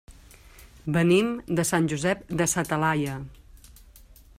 Venim de Sant Josep de sa Talaia.